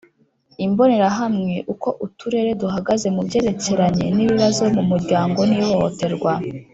Imbonerahamwe Uko Uturere duhagaze mu byerekeranye n ibibzo mu miryango n ihohoterwa